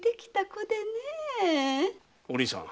お凛さん